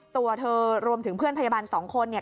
ตัวเธอรวมถึงเพื่อนพยาบาลสองคนเนี่ย